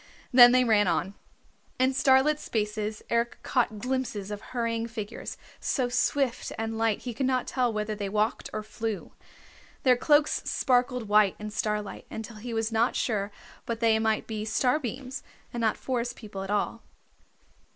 Then they ran on. In starlit spaces Eric caught glimpses of hurrying figures, so swift and light he could not tell whether they walked or flew. Their cloaks sparkled white in starlight until he was not sure but they might be starbeams, and not Forest People at all.